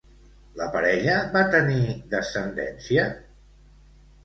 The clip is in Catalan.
La parella va tenir descendència?